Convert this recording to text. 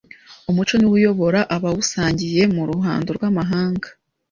Umuco niwo uyobora abawusangiye mu ruhando rw’amahanga